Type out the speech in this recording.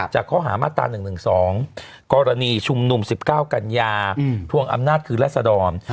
จากข้อหามาตรา๑๑๒กรณีชุมนุม๑๙กันยาทวงอำนาจคือรัศดร